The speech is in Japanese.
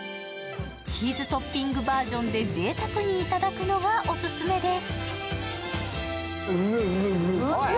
チーズトッピングバージョンでぜいたくにいただくのがオススメです。